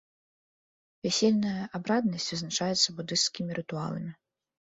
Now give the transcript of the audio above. Вясельная абраднасць вызначаецца будысцкімі рытуаламі.